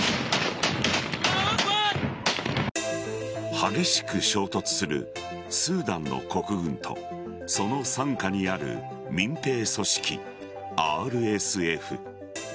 激しく衝突するスーダンの国軍とその傘下にある民兵組織・ＲＳＦ。